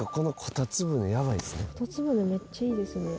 めっちゃいいですね。